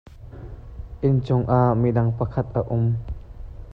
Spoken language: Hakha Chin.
Inn cung ah midang pakhat a um.